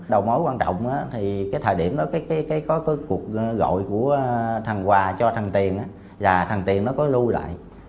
đầu mối quan trọng thời điểm có cuộc gọi của thằng hòa cho thằng tiền thằng tiền có lưu lại